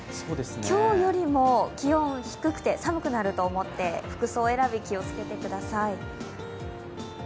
今日よりも、気温、低くて寒くなると思って服装選び、気をつけてください。